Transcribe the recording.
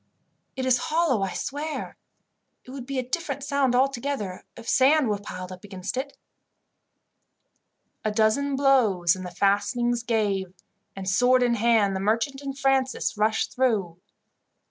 "It is hollow, I swear. It would be a different sound altogether if sand was piled up against it." A dozen blows and the fastenings gave, and, sword in hand, the merchant and Francis rushed through.